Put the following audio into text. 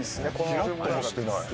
ヒラッともしてない。